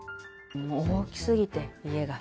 もう大きすぎて、家が。